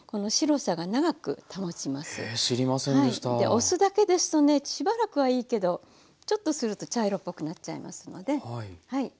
お酢だけですとねしばらくはいいけどちょっとすると茶色っぽくなっちゃいますのではい。